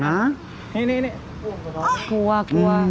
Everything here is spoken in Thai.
นี่นี่